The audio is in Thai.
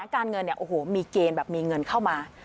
การเงินเนี่ยโอ้โหมีเกณฑ์แบบมีเงินเข้ามา